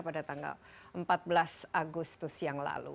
pada tanggal empat belas agustus yang lalu